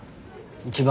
一番